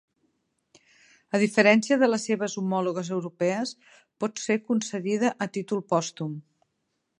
A diferència de les seves homòlogues europees, pot ser concedida a títol pòstum.